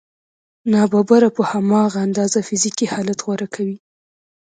ناببره په هماغه اندازه فزيکي حالت غوره کوي.